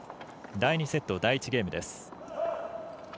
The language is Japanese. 第２セット第１ゲームです。